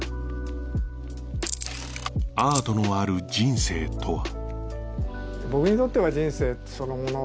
アートのある人生とは？